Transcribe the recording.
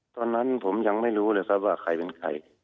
ตอนนั้นผมยังไม่รู้เลยครับว่าใครเป็นใคร